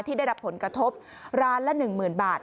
ได้รับผลกระทบร้านละ๑๐๐๐บาท